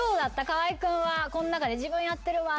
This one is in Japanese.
河合君はこん中で自分やってるわとか。